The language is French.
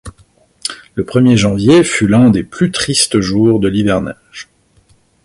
Le premier janvier fut l’un des plus tristes jours de l’hivernage.